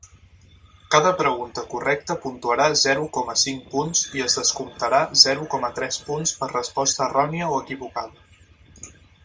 Cada pregunta correcta puntuarà zero coma cinc punts i es descomptarà zero coma tres punts per resposta errònia o equivocada.